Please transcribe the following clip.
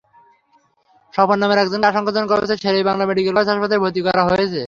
স্বপন নামের একজনকে আশঙ্কাজনক অবস্থায় শের-ই-বাংলা মেডিকেল কলেজ হাসপাতালে ভর্তি করা হয়েছে।